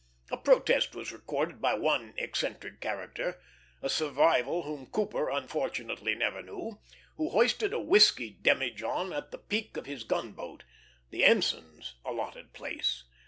A protest was recorded by one eccentric character, a survival whom Cooper unfortunately never knew, who hoisted a whiskey demijohn at the peak of his gunboat the ensign's allotted place.